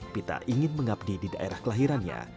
pita ingin mengabdi di daerah kelahirannya